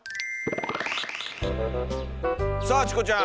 さあチコちゃん。